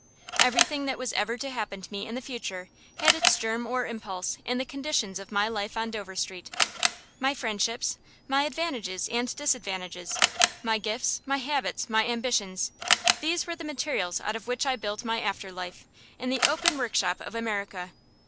Everything that was ever to happen to me in the future had its germ or impulse in the conditions of my life on Dover Street. My friendships, my advantages and disadvantages, my gifts, my habits, my ambitions these were the materials out of which I built my after life, in the open workshop of America.